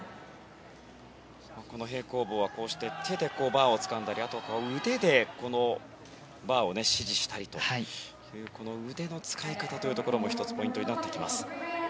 平行棒は手でバーをつかんだりあとは、腕でバーを支持したりという腕の使い方というところも１つポイントになってきます。